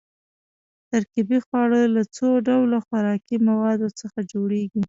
ترکیبي خواړه له څو ډوله خوراکي موادو څخه جوړیږي.